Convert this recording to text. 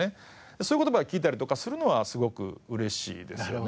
そういう言葉を聞いたりとかするのはすごく嬉しいですよね。